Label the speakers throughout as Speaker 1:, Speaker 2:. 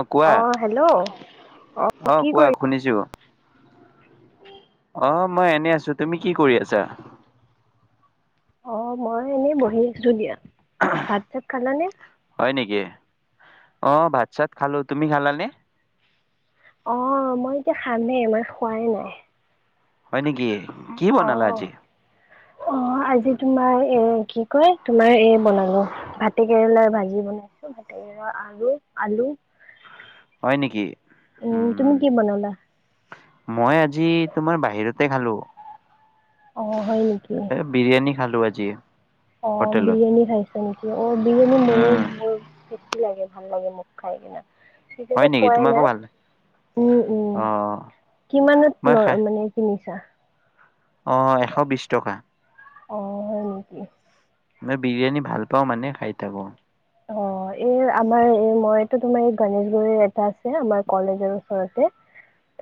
Speaker 1: অহ' কোৱা।
Speaker 2: অ হেল্ল' অ
Speaker 1: অহ,
Speaker 2: কি
Speaker 1: কোৱা
Speaker 2: কৰি
Speaker 1: শুনিছো। অহ' মই এনে আছো। তুমি কি কৰি আছা?
Speaker 2: অহ' মই এনেই বহি আছো দিয়া। ভাত চাত খালাানে?
Speaker 1: অহ' ভাত চাত খালো। তুমি খালা নে?
Speaker 2: অহ' মই এতিয়া খামেই মই খোৱাই নাই।
Speaker 1: হয় নেকি? কি
Speaker 2: অ
Speaker 1: বনালা আজি।
Speaker 2: অ আজি তোমাৰ এ কি কয়, তোমাৰ এই বনালো। ভাতে কেৰেলাৰ ভাজি বনাইছোঁ ভতেকৰেলা। আৰু আলু।
Speaker 1: হয় নেকি?
Speaker 2: তুমি
Speaker 1: উম।
Speaker 2: কি বনালা
Speaker 1: মই আজি তোমাৰ বাহিৰতে খালো,
Speaker 2: অ হয়
Speaker 1: এ বিৰিয়ানী। খালোঁ আজি।
Speaker 2: অহ'
Speaker 1: হোটেলত
Speaker 2: বিৰিয়ানী খাইছা নেকি? অহ, বিৰিয়ানী মোৰো
Speaker 1: উম
Speaker 2: মোৰ লাগে ভাল লাগে মুখ খাই কিনে,
Speaker 1: হয়
Speaker 2: এতিয়াটো
Speaker 1: নেকি
Speaker 2: খোৱাই
Speaker 1: তোমাকো ভাল লাগে?
Speaker 2: নই। উম',
Speaker 1: অ',
Speaker 2: উম' কিমানত ল মানে কিনিছা।
Speaker 1: অহ' এশ বিশ টকা।
Speaker 2: অহ' হয় নেকি?
Speaker 1: মই বিৰিয়ানী ভাল পাওঁ মানে খাই থাকো।
Speaker 2: অহ' এই আমাৰ এই মইতো তোমাৰ এই গনেশগুৰিৰ এটা আছে আমাৰ কলেজৰ ওচৰতে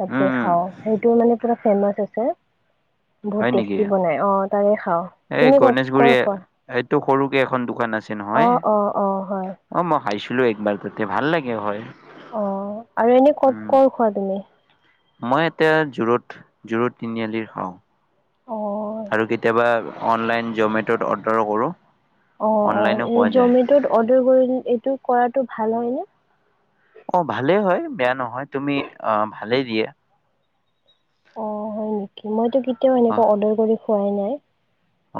Speaker 2: তাতে
Speaker 1: উম
Speaker 2: খাওঁ। সেইটো মানে পুৰা ফেমাচ আছে।
Speaker 1: হয়
Speaker 2: বহুত
Speaker 1: নেকি
Speaker 2: টেষ্টি বনাই অহ, তাৰে খাওঁ। তুমি কত কৰ খোৱা?
Speaker 1: টো সৰুকে এখন দোকান আছে নহয়।
Speaker 2: অ', অ', অ', হয়
Speaker 1: অহ, ম খাইছিলোঁ একবাৰ তাতে ভাল লাগে হয়।
Speaker 2: অহ' আৰু এনে কত
Speaker 1: উম,
Speaker 2: কৰ খোৱা তুমি?
Speaker 1: মই এতিয়া জোৰত, জোৰত তিনিআলিৰ খাওঁ।
Speaker 2: অ',
Speaker 1: আৰু কেতিয়াবা অনলাইন জ'মেটত অৰ্ডাৰো কৰোঁ।
Speaker 2: অহ', অহ'
Speaker 1: অনলাইনো
Speaker 2: এই
Speaker 1: পোৱা যায়।
Speaker 2: জমেটত অৰ্ডাৰ কৰি এইটো কৰাটো ভাল হয় নে।
Speaker 1: অহ' ভালেই হয় বেয়া নহয় তুমি অহ, ভালেই দিয়ে।
Speaker 2: অহ' হয় নেকি মইতো কেতিয়াও এনেকুৱা অৰ্ডাৰ কৰি খোৱাই নাই।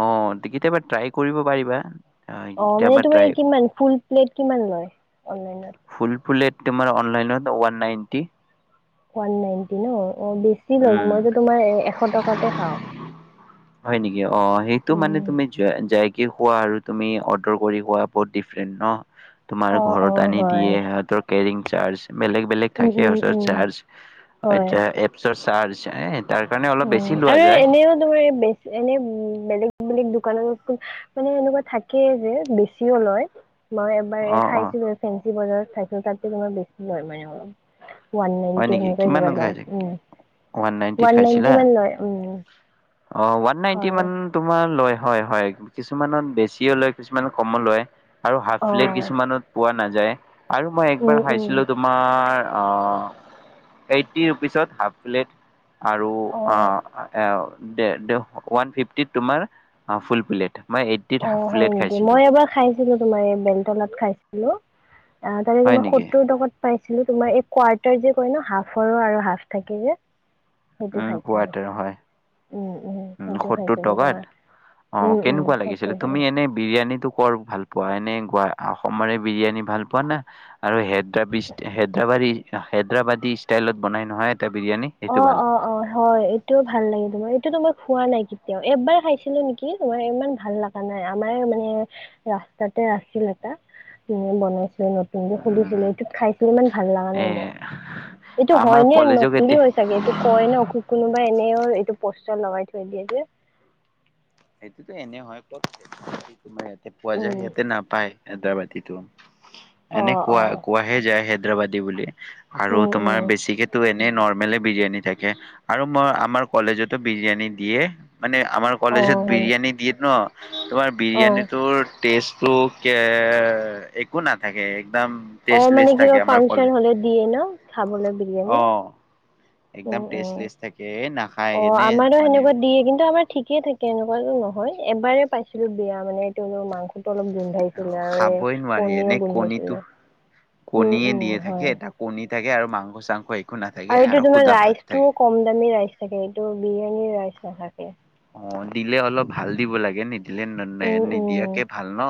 Speaker 1: অহ' কেতিয়াবা ট্ৰাই কৰিব পাৰিবা। অ'
Speaker 2: অহ' মানে
Speaker 1: কেতিয়াবা
Speaker 2: তোমাৰ
Speaker 1: ট্ৰাই
Speaker 2: কিমান ফুল প্লেত কিমান লয়, অনলাইনত?
Speaker 1: ফুল প্লেট তোমাৰ অনলাইনত ওৱান নাইনটি।
Speaker 2: ওৱান নাইনটি ন অহ, বেছি লৈ
Speaker 1: উম।
Speaker 2: মইতো তোমাৰ এশ টকাতে খাওঁ।
Speaker 1: হয় নেকি? অহ সেইটো মানে
Speaker 2: উম
Speaker 1: তুমি যোৱা যায় কি খোৱা আৰু তুমি অৰ্ডাৰ কৰি খোৱা বহুত ডিফাৰেণ্ট ন। তোমাৰ
Speaker 2: অ অ
Speaker 1: ঘৰত আনি
Speaker 2: হয়
Speaker 1: দিয়ে সিহঁতৰ কেৰিং চাৰ্জ। বেলেগ বেলেগ
Speaker 2: উম
Speaker 1: থাকে
Speaker 2: উম উম
Speaker 1: সচ-চাৰ্জ,
Speaker 2: হয়।
Speaker 1: এতিয়া এপছৰ চাৰ্জ। তাৰ কাৰণে অলপ বেছি
Speaker 2: উম,
Speaker 1: লোৱা
Speaker 2: আৰু
Speaker 1: যায়
Speaker 2: এনেও তোমাৰ বেছি এনে বেলেগ মানে দোকানত মানে এনেকুৱা থাকেই যে বেছিও লয়। মই এবাৰ
Speaker 1: অ অ
Speaker 2: খাইছিলোঁ ফেঞ্চি বজাৰত খাইছিলোঁ তাত তই বেছি লয় মানে অলপ। ওৱান
Speaker 1: হয়
Speaker 2: নাইনণ্টি
Speaker 1: নেকি কিমানত
Speaker 2: [unintelligible] লয়,
Speaker 1: খাইছে
Speaker 2: উম,
Speaker 1: নাইনটিত
Speaker 2: ওৱান নাইন্টি
Speaker 1: খাইছিলা
Speaker 2: উম।
Speaker 1: অ', ওৱান নাইন্টি
Speaker 2: হয়
Speaker 1: মান তোমাৰ লয়, অহ। হয়, হয়, কিছুমানত বেছিও লয় কিছুমান কমো লয়। আৰু হাফ
Speaker 2: অ
Speaker 1: প্লেট কিছুমানত পোৱা নাযায় আৰু মই
Speaker 2: উম
Speaker 1: একবাৰ
Speaker 2: উম
Speaker 1: খাইছিলোঁ তোমাৰ অ', এইটি ৰুপিচত হাফ প্লেট আৰু
Speaker 2: অ।
Speaker 1: অ', ওৱান এ এ ফিফটিত তোমাৰ ফুল প্লেট। মই এইটটিত হাফ
Speaker 2: অ', হয়
Speaker 1: প্লেট
Speaker 2: নেকি?
Speaker 1: খাইছিলোঁ
Speaker 2: মই এবাৰ খাইছিলোঁ। তোমাৰ এই বেলতলাত খাইছিলোঁ অ', তাতে
Speaker 1: হয়
Speaker 2: তোমাৰ
Speaker 1: নেকি
Speaker 2: সত্তৰ টকাত পাই ছিলোঁ তোমাৰ এই কোৱাৰ্টাৰ যে কয় ন' হাফৰো আৰু হাফ থাকে যে। সেইটো
Speaker 1: উম,
Speaker 2: খাইছিলো
Speaker 1: কুৱাটাৰ হয়।
Speaker 2: উম
Speaker 1: উম,
Speaker 2: সেইটো
Speaker 1: সত্তৰ
Speaker 2: খাইছিলো
Speaker 1: টকাত
Speaker 2: তোমাৰ
Speaker 1: অ',
Speaker 2: উম উম
Speaker 1: কেনেকুৱা
Speaker 2: সত্তৰ
Speaker 1: লাগিছিলে? তুমি
Speaker 2: টকা
Speaker 1: এনে বিৰিয়ানীটো কৰ ভাল পোৱা? এনে গোৱা অসমৰে বিৰিয়ানী ভাল পোৱা নে? আৰু হেদৰাবিছ-হেদৰাবাদী-হে হেদৰাবাদী ষ্টাইলত বনাই নহয়। এটা বিৰিয়ানী সেইটো
Speaker 2: অ',
Speaker 1: ভাল পোৱা
Speaker 2: অ', অ', হয় এইটোও ভাল লাগে তোমাৰ, এইটোতো মই খোৱা নাই কেতিয়াও, এবাৰ খাইছিলো নেকি, তোমাৰ ইমান ভাল লগা নাই আমাৰ মানে ৰাস্তাত এ আছিল এটা। বনাইছি নতুন যে
Speaker 1: উম
Speaker 2: খুলিছিলে এইটোত খাইছিলো ইমান ভাল লগা
Speaker 1: এ
Speaker 2: নাই মোক। এইটো
Speaker 1: আমাৰ
Speaker 2: হয় ন
Speaker 1: কলেজক
Speaker 2: কি
Speaker 1: এতিয়া
Speaker 2: হয় চাগে, এইটো কয় ন কোনোবাই এনেও এইটো পষ্টাৰ লগাই থৈ দিয়ে যে।
Speaker 1: সেইটোতো এনে হয় কওকোমাৰ ইতে পোৱা যায়,
Speaker 2: উম
Speaker 1: সিয়াতে নাপায় আদ্ৰাবাটটো [unintelligible]
Speaker 2: অ
Speaker 1: এনে
Speaker 2: অ
Speaker 1: কোৱা কোৱাহে যায় হেদ্ৰাবাদী বুলি, আৰু
Speaker 2: উম
Speaker 1: তোমাৰ
Speaker 2: উম
Speaker 1: বেছিকেতো এনে এ নৰ্মেলে বিৰিয়ানী থাকে। আৰু মই আমাৰ কলেজতো বিৰিয়ানী দিয়ে। মানে আমাৰ
Speaker 2: অ
Speaker 1: কলেজত
Speaker 2: হয় নি?
Speaker 1: বিৰিয়ানি দিয়ে ন, তোমাৰ
Speaker 2: অ
Speaker 1: বিৰিয়ানীটোৰ টেষ্টটো কে একো নাথাকে। একদম
Speaker 2: অ
Speaker 1: টেষ্টলেছ
Speaker 2: মানে কিবা
Speaker 1: থাকে আমাৰ
Speaker 2: ফাংচন
Speaker 1: কলেজ।
Speaker 2: হলে দিয়ে ন খাবলৈ বিৰিয়ানী
Speaker 1: অ,
Speaker 2: উম
Speaker 1: একদম
Speaker 2: উম
Speaker 1: টেষ্টলেছ থাকে, নাখায় এনেই মানে
Speaker 2: ঠিকে থাকে এনেকুৱোটো নহয়, এবাৰে পাইছিলো বিয়া মানে তেওঁলৰ মান [unintelligible] টো অলপ
Speaker 1: অ',
Speaker 2: গোন্ধাইছিলে আৰু
Speaker 1: খাবই
Speaker 2: এই
Speaker 1: নোৱাৰি
Speaker 2: কণীও
Speaker 1: এনে কণীটো
Speaker 2: গোন্ধাইছিলে। উম
Speaker 1: কণীয়ে
Speaker 2: উম
Speaker 1: দিয়ে থাকে,
Speaker 2: হয়
Speaker 1: এটা কণী থাকে আৰু মাংস চাংস এক
Speaker 2: আৰু এইটো তোমাৰ ৰাইচটোও কম দামী ৰাইচ থাকে, এইটো বিৰিয়ানীৰ ৰাইচ নাথাকে।
Speaker 1: অ দিলে অলপ ভাল দিব লাগে নি দিলে নাই
Speaker 2: উম উম
Speaker 1: নিদিয়াকে ভাল ন,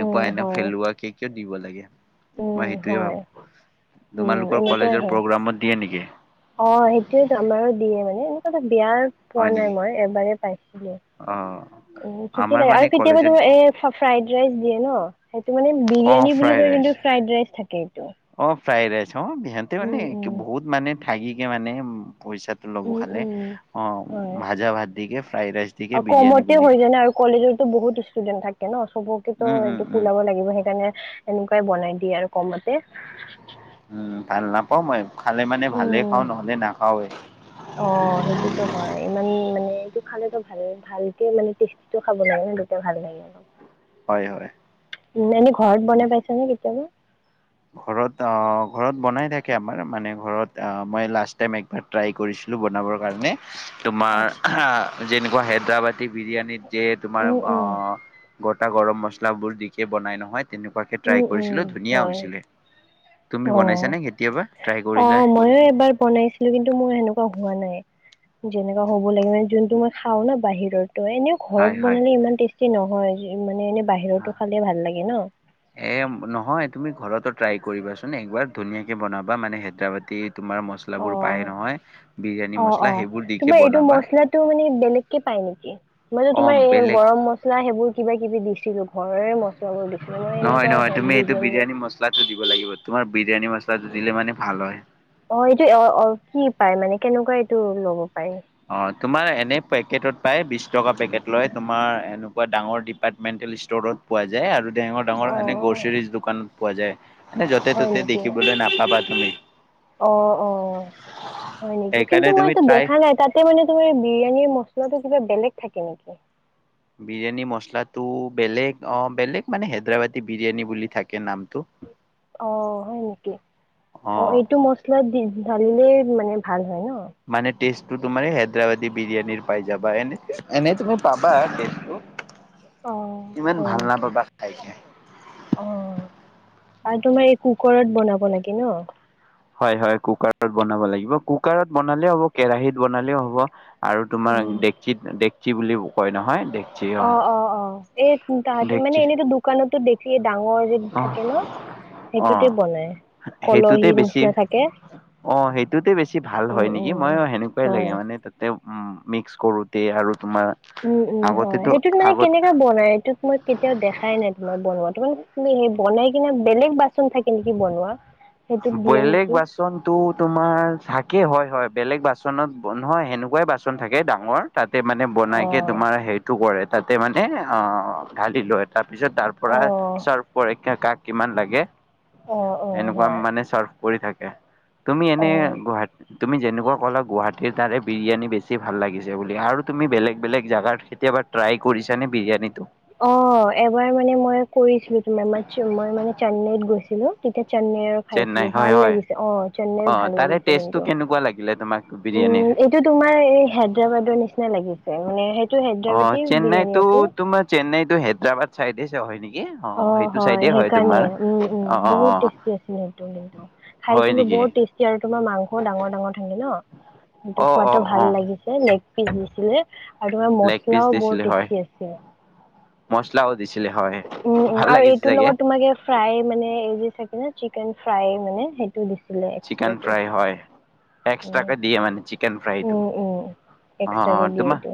Speaker 2: উম
Speaker 1: এনে
Speaker 2: হয়
Speaker 1: পেলুৱাকে কিয় দিব লাগে।
Speaker 2: উম
Speaker 1: মই সেইটোৱে
Speaker 2: হয়
Speaker 1: ভাবো।
Speaker 2: উম
Speaker 1: তোমালোকৰ
Speaker 2: এনেকুৱাই
Speaker 1: কলেজৰ
Speaker 2: হয়।
Speaker 1: প্ৰগ্ৰামত দিয়ে নেকি?
Speaker 2: অ সেইটোয়েটো আমাৰো দিয়ে মানে বিয়া পোৱা
Speaker 1: হয়
Speaker 2: নাই
Speaker 1: নেকি?
Speaker 2: মই এবাৰ পাইছিলো।
Speaker 1: অ'
Speaker 2: উম ঠিকে
Speaker 1: আমাৰ
Speaker 2: লাগে,
Speaker 1: মানে
Speaker 2: আৰু কেতিয়াবা
Speaker 1: কলেজত
Speaker 2: তুমাৰ এ ফ্ৰাইড ৰাইচ দিয়ে ন? সেইটো মানে
Speaker 1: অ'
Speaker 2: বিৰিয়ানী বুলি
Speaker 1: ফ্ৰাইড
Speaker 2: কৈ
Speaker 1: ৰাইচ
Speaker 2: কিন্তু, ফ্ৰাইড ৰাইচ থাকে এইটো।
Speaker 1: অ' ফ্ৰাইড ৰাইচ হঁ। বিহতে মানে
Speaker 2: উম, উম।
Speaker 1: বহুত মানে ঠাকিকে মানে উম পইচাটো ল'ব
Speaker 2: উম,
Speaker 1: খালে
Speaker 2: উম,
Speaker 1: অ,
Speaker 2: হয়।
Speaker 1: ভাজা ভাত দিকে ফ্ৰাই ৰাইচ দিকে
Speaker 2: আৰু
Speaker 1: বিৰিয়ানী
Speaker 2: কমতে
Speaker 1: বুলি
Speaker 2: হৈ
Speaker 1: কয়।
Speaker 2: যায় ন আৰু কলেজতো বহুত ষ্টুডেণ্ট থাক কে ন' চবকেতো
Speaker 1: উম, উম,
Speaker 2: এইটো
Speaker 1: উম,
Speaker 2: কুলাব লাগিব সেইকাৰণে এনেকুৱাই বনাই দিয়ে আৰু কমতে।
Speaker 1: উম, ভাল নাপাও মই। খালে মানে ভালেই
Speaker 2: উম।
Speaker 1: খাওঁ, নহ'লে নাখাওৱে।
Speaker 2: খালেটো ভাল-ভালকে মানে টেষ্টিটো খাব লাগে, তেতিয়া ভাল লাগে অলপ।
Speaker 1: হয়, হয়।
Speaker 2: উম, এনেই ঘৰত
Speaker 1: তুমি
Speaker 2: বনাই পাইছ নে কেতিয়াবা?
Speaker 1: ঘৰত, অ, ঘৰত বনাই থাকে আমাৰ মানে, ঘৰত আহ মই লাষ্ট টাইম একবাৰ ট্ৰাই কৰি ছিলোঁ বনাবৰ কাৰণে, তোমাৰ
Speaker 2: আচ্ছা,
Speaker 1: হা যেনেকুৱা হেদ্ৰাবাদি এ বিৰিয়ানীত যে তোমাৰ
Speaker 2: উম,
Speaker 1: অ,
Speaker 2: উম,
Speaker 1: গটা গৰম মচলাবোৰ দিকে বনাই নহয় তেনেকুৱাকে
Speaker 2: উম,
Speaker 1: ট্ৰাই
Speaker 2: উম,
Speaker 1: কৰিছিলো ধুনীয়া
Speaker 2: হয়।
Speaker 1: হৈছিলে তুমি
Speaker 2: অ'।
Speaker 1: বনাইছানে কেতিয়াবা? ট্ৰাই
Speaker 2: অ,
Speaker 1: কৰিলা
Speaker 2: ময়ো
Speaker 1: কৰিছা
Speaker 2: এবাৰ বনাইছিলো কিন্তু মোৰ সেনেকুৱা হোৱা নাই। যেনেকুৱা হ'ব লাগে মানে যোনটো মই খাও ন' বাহিৰৰতো এনেও ঘৰত
Speaker 1: হয় হয়।
Speaker 2: বনালে ইমান টেষ্ট টেষ্টি নহয় মানে এনে বাহিৰতো খালে ভাল লাগে ন।
Speaker 1: এ নহয় তুমি ঘৰটো ট্ৰাই কৰিবাচোন একবাৰ ধুনীয়াকে বনাবা মানে হেদ্ৰাবাদিত তোমাৰ
Speaker 2: অ
Speaker 1: মচলাবোৰ পায় নহয বিৰিয়ানী
Speaker 2: অ অ
Speaker 1: মছলা সেইবোৰ দিকে বনাবা।
Speaker 2: [unintelligible] মই যে
Speaker 1: অ'
Speaker 2: তোমাৰ এই
Speaker 1: বেলেগ
Speaker 2: গৰম মছলা সেইবোৰ কিবা-কিবি দিছ
Speaker 1: নহয়-নহয় তুমি এইটো বিৰিয়ানী মচলাটো দিব লাগিব তোমাৰ বিৰিয়ানী মচলা তাতে দিলে মানে ভাল হয়।
Speaker 2: অ, এইটো অ', অ', কি পায় মানে কেনেকুৱা এইটো লব পাৰি?
Speaker 1: অ, তোমাৰ এনে পেকেটত পায় বিছ টকা পেকেট লয় তোমাৰ এনে বা ডাঙৰ ডিপাৰ্টমেণ্টেল ষ্টৰত পোৱা যায় আৰু তেনেকুৱা ডাঙৰ
Speaker 2: অ
Speaker 1: এনে গ্ৰচেৰিচ দোকানত পোৱা যায়। মানে
Speaker 2: হয়
Speaker 1: য'তে-ত'তে
Speaker 2: নেকি?
Speaker 1: দেখিবলৈ নাপাবা তুমি।
Speaker 2: অ', অ', হয় নেকি কিন্তু
Speaker 1: সেইকাৰণে তুমি
Speaker 2: মইতো
Speaker 1: ট্ৰাই
Speaker 2: দেখা নাই তাতে মানে [unintelligible] বিৰিয়ানীৰ মচলাটো কিবা বেলেগ থাকে নেকি?
Speaker 1: বিৰিয়ানী মচলাটো বেলেগ অ', বেলেগ মানে, হেদ্ৰাবাদি বিৰিয়ানী বুলি থাকে নাম
Speaker 2: অ, হয় নেকি অ, এইটো মচলাত দি ঢালিলেই মানে ভাল হয় ন'?
Speaker 1: তেষ্টটো তোমাৰ এ হেদ্ৰাবাদী বিৰিয়ানীৰ পাই যাবা এনে - এনে তুমি পাবা তেষ্টটো
Speaker 2: অ, হয় নেকি
Speaker 1: খাইকে
Speaker 2: অ, আৰু তোমাৰ এ কুকৰত বনাব লাগে ন?
Speaker 1: হয় হয়, কুকাৰত বনাব লাগিব। কুকাৰত বনালেও হ'ব, কেৰাহীত বনালেও হ'ব। আৰু তোমাৰ
Speaker 2: উম
Speaker 1: ডেকচিত, ডেকচি বুলি কয় নহয় ডে
Speaker 2: অ অ অ, এই তাহাঁতি মানে
Speaker 1: ডেকচি
Speaker 2: এনেইতো দোকানতো দে ডাঙৰ যিটো
Speaker 1: অ
Speaker 2: থাকে ন,
Speaker 1: অ
Speaker 2: সেইটোতে বনাই,
Speaker 1: সেইটোতে
Speaker 2: কলহীৰ
Speaker 1: বেছি
Speaker 2: নিচিনা থাকে।
Speaker 1: অ', সেইটোতে বেছি ভাল
Speaker 2: উম
Speaker 1: হয় নেকি,
Speaker 2: উম
Speaker 1: মইও সেনেকুৱাই লাগে
Speaker 2: হয়
Speaker 1: মানে তাতে উম, মিক্স কৰোতে আৰু তোমাৰ
Speaker 2: উম উম হয়,
Speaker 1: আগতেতো
Speaker 2: সেইটোত মানে
Speaker 1: আগত
Speaker 2: কেনেকা বনাই, এইটোত মই কেতিয়াও দেখাই নাই তোমাৰ বনোৱা তোমাক তুমি সেই বনাই কিনে বেলেগ বাচন থাকে নেকি বনোৱা। সেইটোত দিয়ে
Speaker 1: বেলেগ
Speaker 2: নেকি?
Speaker 1: বাচনটো তোমাৰ থাকে, হয় হয়। বেলেগ বাচনত নহয় সেনেকুৱাই বাচন থাকে ডাঙৰ, তাতে মানে বনাইকে
Speaker 2: অ',
Speaker 1: তোমাৰ হেৰিটো কৰে। তাতে মানে, অ', ঢালি লয়, তাৰ পিছত তাৰ পৰা
Speaker 2: অ',
Speaker 1: চাৰ্ভ কৰে কাক কিমান লাগে।
Speaker 2: অ' অ'।
Speaker 1: এনেকুৱা
Speaker 2: হয়।
Speaker 1: মানে চাৰ্ভ কৰি থাকে, তুমি এনে
Speaker 2: অ',
Speaker 1: গুৱাহ তুমি যেনে [unintelligible] গুৱাহাটীৰ তাৰে বিৰিয়ানী বেছি ভাল লাগিছে বুলি আৰু তুমি বেলেগ বেলেগ জাগাত কেতিয়াবা ট্ৰাই ক কৰিচানে বিৰিয়ানীটো?
Speaker 2: অ', এবাৰ মানে মই কৰিছিলো, তোমাৰ মই মানে চেন্নাইত গৈছিলো তেতিয়া চেন্নাইৰ
Speaker 1: চেন্নাই
Speaker 2: খাইছিলো
Speaker 1: হয়
Speaker 2: ভাল
Speaker 1: হয়
Speaker 2: লাগিছে অ', চেন্নাইৰ ভাল
Speaker 1: তাৰে
Speaker 2: লাগিছে
Speaker 1: টেষ্টটো
Speaker 2: কিন্তু।
Speaker 1: কেনেকুৱা লাগিলে তোমাক
Speaker 2: উম,
Speaker 1: বিৰিয়ানীৰ?
Speaker 2: এইটো তোমাৰ এই হায়দৰাবাদৰ নিচিনা লাগিছে মানে হে
Speaker 1: অ', চেন্নাইতো তোমাৰ চেন্নাইতো হেদ্ৰাবাদ চাইদে হয় নেকি?
Speaker 2: অ',
Speaker 1: সেইটো
Speaker 2: হয়,
Speaker 1: চাইডে
Speaker 2: সেইকাৰণে
Speaker 1: তোমাৰ
Speaker 2: উম উম,
Speaker 1: অ', অ',
Speaker 2: বহুত
Speaker 1: অ',
Speaker 2: টেষ্টি আছিলে, সেইটো কিন্তু
Speaker 1: হয়
Speaker 2: খাইছিলো ব
Speaker 1: নেকি
Speaker 2: বৰ টেষ্টি আৰু তোমাৰ মাংস ডাঙৰ ডাঙৰ থাকে ন, সেইটো
Speaker 1: অ',
Speaker 2: খোৱাদ
Speaker 1: অ',
Speaker 2: ভাল
Speaker 1: অ',
Speaker 2: লাগিছে নে পিচ দিছিলে আৰু তোমাৰ
Speaker 1: লেগ
Speaker 2: মছলাও বৰ টেষ্টি আছিল।
Speaker 1: মছলাও দিছে।
Speaker 2: উম উম আৰু এইটোৰ লগত তোমাক ফ্ৰাই মানে এই যে চাগে ন চিকেন ফ্ৰাই মানে দিছিলে
Speaker 1: চিকেন
Speaker 2: এক্সট্ৰাকে।
Speaker 1: ফ্ৰাই হয়।
Speaker 2: উম,
Speaker 1: এক্সট্ৰাকে দিয়ে মানে চিকেন ফ্ৰাইটো।
Speaker 2: উম, উম, এক্সট্ৰাকে
Speaker 1: অ'
Speaker 2: দিয়ে
Speaker 1: তোমাৰ
Speaker 2: এইটো।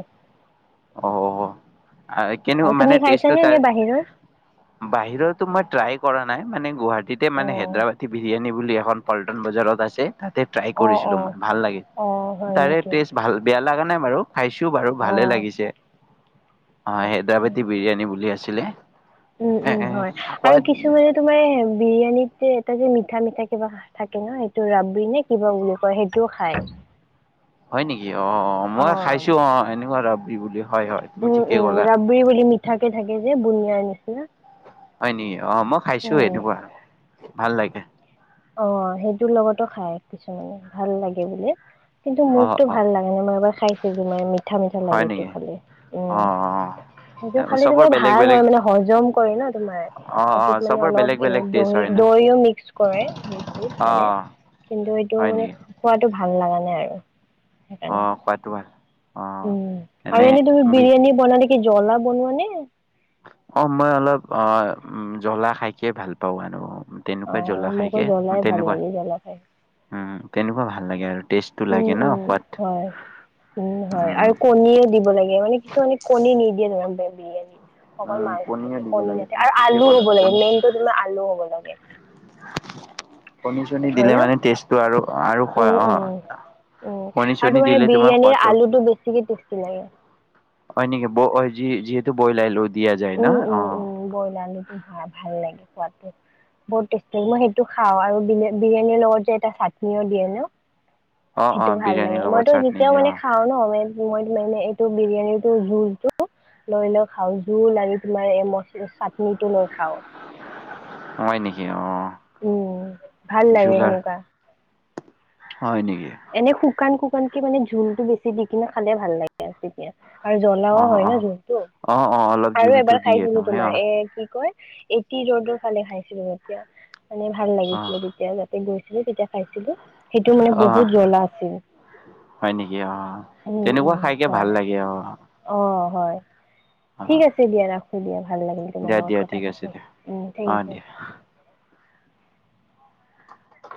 Speaker 1: অ',
Speaker 2: অ', তুমি
Speaker 1: মানে টেষ্টটো
Speaker 2: খাইছানে
Speaker 1: তাৰ
Speaker 2: নে বাহিৰৰ?
Speaker 1: বাহিৰতো মই ট্ৰাই কৰা নাই মানে গুৱাহাটীতে মানে
Speaker 2: অ',
Speaker 1: হায়দৰাবাদী বিৰিয়ানী বুলি এখন পল্টন বজাৰত আছে। তাতে ট্ৰাই
Speaker 2: অ',
Speaker 1: কৰিছিলো
Speaker 2: অ',
Speaker 1: মান ভাল লাগি
Speaker 2: অ', হয়
Speaker 1: তাৰে
Speaker 2: নেকি?
Speaker 1: টেষ্ট ভাল বেয়া লগা নাই বাৰু। খাইছো বাৰু ভালে
Speaker 2: অ',
Speaker 1: লাগিছে অ হেদৰাবাদী বিৰিয়ানী বুলি আছিলে। এ
Speaker 2: উম-উম
Speaker 1: এ
Speaker 2: হয় আৰু
Speaker 1: সোৱাদ
Speaker 2: কিছুমানে তোমাৰ বিৰিয়ানীত যে এটা যে ম। মিঠা মিঠা কিবা থাকে ন সেইটো ৰাবি নে কিবা বুলি কয় সেইটোও খাই।
Speaker 1: হয় নেকি? অ মই খাইছো অ এনেকুৱা দবৰি বুলি হয় হয় তুমি ঠিকে কলা।
Speaker 2: লাগে যে বুনিয়া নিচিনা।
Speaker 1: হয়, নেকি অ মই খাইছো
Speaker 2: উম,
Speaker 1: এনেকুৱা ভাল লাগে।
Speaker 2: অ সেইটোৰ লগতো খাই কিছুমানে ভাল লাগে বোলে। কিন্তু
Speaker 1: অ
Speaker 2: মোকতো
Speaker 1: অ
Speaker 2: ভাল লাগে ন মই এবাৰ খাইছে যে ম মিঠা মিঠা
Speaker 1: হয়
Speaker 2: লাগে এইটো
Speaker 1: নেকি
Speaker 2: খালে
Speaker 1: অ
Speaker 2: উম, সেইটো
Speaker 1: অ
Speaker 2: খালি
Speaker 1: চবৰ
Speaker 2: তুমাৰ
Speaker 1: বেলেগ
Speaker 2: ভাল
Speaker 1: বেলেগ
Speaker 2: হয় মানে হজম কৰে ন তোমাৰ।
Speaker 1: অ অ
Speaker 2: এইটোত মানে
Speaker 1: চবৰ
Speaker 2: অলপ
Speaker 1: বেলেগ
Speaker 2: এ
Speaker 1: বেলেগ টেষ্ট
Speaker 2: দৈ
Speaker 1: হয় ন
Speaker 2: দৈও মিক্স কৰে। সত
Speaker 1: অ
Speaker 2: মানে কিন্তু এইটো
Speaker 1: হয়
Speaker 2: মানে
Speaker 1: নেকি
Speaker 2: খোৱাটো ভাল লগা নাই আৰু। সেইকাৰণে।
Speaker 1: অ' কোৱাতটো ভাল। অ
Speaker 2: উম আৰু এনেই তুমি বিৰিয়ানী বন নে কি জ্বলা বনোৱা নে।
Speaker 1: অ মই অলপ অ জ্বলা খাই খিয়ে ভাল পাও আৰু।
Speaker 2: অ
Speaker 1: তেনেকুৱাই জ্বলা
Speaker 2: মোকো
Speaker 1: খাইকে
Speaker 2: জ্বলাই ভাল
Speaker 1: তেনেকুৱা
Speaker 2: লাগে জ্বলা খাই।
Speaker 1: উম তেনেকুৱা ভাল লাগে আৰু।
Speaker 2: উম
Speaker 1: লাগে ন
Speaker 2: উম
Speaker 1: সোৱাদ।
Speaker 2: হয় উম হয় আৰু কণীয়েও দিব লাগে মানে কিছুমানে কণী নিদিয়ে ধৰা। বিৰিয়ানী অকল
Speaker 1: উম,
Speaker 2: মাংস
Speaker 1: পনীৰ
Speaker 2: থাকে
Speaker 1: দিব
Speaker 2: কণী
Speaker 1: লাগে
Speaker 2: থাকে
Speaker 1: তুমি
Speaker 2: আৰু
Speaker 1: ঠিকে
Speaker 2: আলু
Speaker 1: ক'লা
Speaker 2: হ'ব লাগে
Speaker 1: পনী
Speaker 2: মেইনতটো তোমাৰ আলু হ'ব লাগে।
Speaker 1: কণী চণী
Speaker 2: হয়
Speaker 1: দিলে
Speaker 2: ন?
Speaker 1: মানে তেজটো আৰু আৰু খোৱা
Speaker 2: উম উম
Speaker 1: অ।
Speaker 2: উম
Speaker 1: কণী
Speaker 2: আৰু
Speaker 1: চনী
Speaker 2: তোমাৰ
Speaker 1: দিলে
Speaker 2: বিৰিয়ানীৰ
Speaker 1: সোৱাদটো
Speaker 2: আলুটো বেছিকে টেষ্টি লাগে।
Speaker 1: হয় নেকি যিহেতু বইলাই লো
Speaker 2: উম-উম-উম বইল আলুটো ভৰা ভাল লাগে খোৱাত। বত মই সেইটো খাও আৰু বিৰিয়ানীৰ লগত যে এটা চাটনিও দিয়ে ন
Speaker 1: অ',
Speaker 2: সেইটো
Speaker 1: অ',
Speaker 2: ভাল
Speaker 1: বিৰিয়ানীৰ
Speaker 2: লাগে
Speaker 1: লগত
Speaker 2: মইতো
Speaker 1: চাটনি
Speaker 2: যেতিয়াও
Speaker 1: দিয়া
Speaker 2: মানে
Speaker 1: অ',
Speaker 2: খাও নমে মই মানে এইটো বিৰিয়ানী টো জুইচটো লৈ লৈ খাও। ধল আনি তোমাৰ এই মছ চাটনিটো নৈ খাও।
Speaker 1: হয় নেকি অ',
Speaker 2: উম, ভাল লাগে
Speaker 1: জোলাৰ
Speaker 2: সেনেকুৱা।
Speaker 1: হয় নেকি
Speaker 2: এনে শুকান শুকানকে মানে যোলটো বেছি দি কিনে খালে ভাল লাগে আৰু তেতিয়া। আৰু জ্বলাও
Speaker 1: অ',
Speaker 2: হয় ন
Speaker 1: অ',
Speaker 2: জোনটো
Speaker 1: অ', অ', অলপ
Speaker 2: আৰু
Speaker 1: জোলটো
Speaker 2: এবাৰ
Speaker 1: দিয়ে
Speaker 2: খাইছিলো
Speaker 1: নহয়
Speaker 2: তোমাৰ
Speaker 1: অ',
Speaker 2: এ কি ৰৰ ফালে খাইছিলো তেতিয়া মানে ভাল লাগিছিলে তেতিয়া যাতে গৈছিল। টো তেতিয়া খাইছিলো সেইটো মানে
Speaker 1: অ', অ'।
Speaker 2: বহুত জ্বলা আছিল।
Speaker 1: হয় নেকি? অহ
Speaker 2: উম
Speaker 1: তেনেকুৱা
Speaker 2: উম
Speaker 1: খাইকে ভাল
Speaker 2: হয়
Speaker 1: লাগে অহ,
Speaker 2: অ হয় ঠিক আছে দিয়া ৰাখো দিয়া। ভাল লাগিল তোমাৰ
Speaker 1: দিয়া
Speaker 2: লগত
Speaker 1: দিয়া
Speaker 2: কথা
Speaker 1: ঠিক আছে
Speaker 2: পাতি
Speaker 1: দিয়া
Speaker 2: উ
Speaker 1: অ
Speaker 2: থেংক ইউ।
Speaker 1: দিয়া